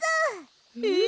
えっ？